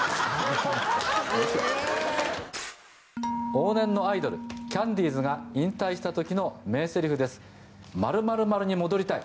往年のアイドルキャンディーズが引退した時の名セリフです「○○○に戻りたい」